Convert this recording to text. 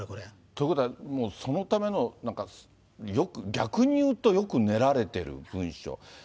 ということは、もうそのためのなんか逆に言うとよく練られている文章。